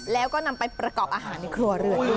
แล้วก็นำไปประกอบอาหารในครัวเรือนด้วย